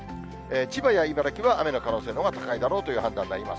千葉や茨城は雨の可能性のほうが高いだろうという判断になります。